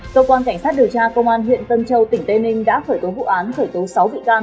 cơ quan cảnh sát điều tra công an huyện tân châu tỉnh tây ninh đã khởi tố vụ án khởi tố sáu bị can